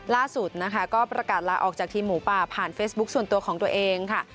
ล่าสุดนะคะก็ประกาศลาออกจากทีมหมูป่าผ่านเฟซบุ๊คส่วนตัวของตัวเองค่ะ